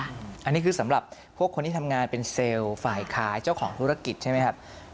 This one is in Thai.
อันนี้คือสำหรับพวกคนที่ทำงานเป็นเซลล์ฝ่ายค้ายเจ้าของธุรกิจใช่ไหมครับ